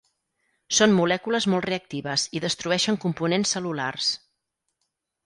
Són molècules molt reactives i destrueixen components cel·lulars.